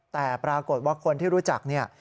แต่ปรากฏว่าคนที่รู้จักเนี่ย